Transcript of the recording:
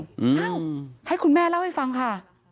เอ้าให้คุณแม่เล่าให้ฟังค่ะ